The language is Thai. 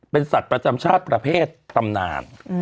เป็นสัตว์ประจำชาติประเภทตำนาน